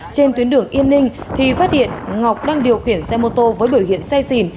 trên tuyến đường yên ninh thì phát hiện ngọc đang điều khiển xe mô tô với biểu hiện say xỉn